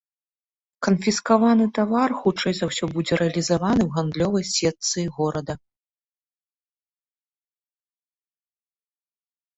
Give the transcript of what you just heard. Канфіскаваны тавар хутчэй за ўсё будзе рэалізаваны ў гандлёвай сетцы горада.